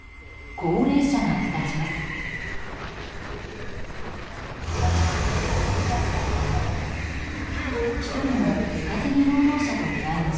高齢者が目立ちます。